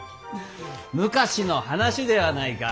昔の話ではないか。